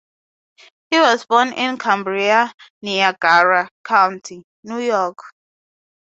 He was born in Cambria, Niagara County, New York.